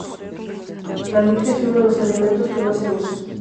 La lija es uno de los elementos que más usa.